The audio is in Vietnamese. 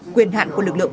quyền hạn của lực lượng